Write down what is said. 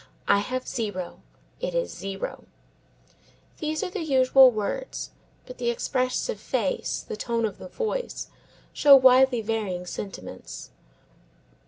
"I have zero." "It is zero." These are the usual words, but the expressive face, the tone of the voice, show widely varying sentiments.